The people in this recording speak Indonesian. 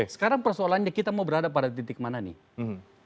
sekarang persoalannya kita mau berada pada titik mana nih